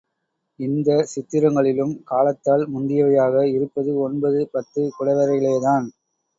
இந்தச் சித்திரங்களிலும் காலத்தால் முந்தியவையாக இருப்பது ஒன்பது, பத்து குடைவரைகளேதான்.